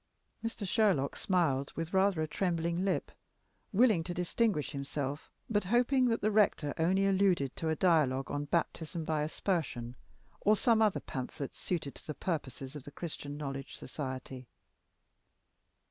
Mr. Sherlock smiled with rather a trembling lip, willing to distinguish himself, but hoping that the rector only alluded to a dialogue on Baptism by Aspersion, or some other pamphlet suited to the purposes of the Christian Knowledge Society.